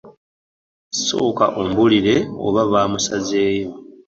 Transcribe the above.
Sooka ombuulire oba mwamusanzeeyo.